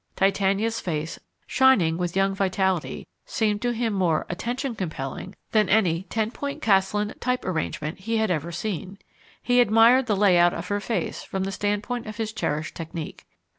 Titania's face, shining with young vitality, seemed to him more "attention compelling" than any ten point Caslon type arrangement he had ever seen. He admired the layout of her face from the standpoint of his cherished technique.